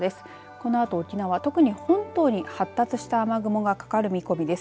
このあと沖縄、特に本島に発達した雨雲がかかる見込みです。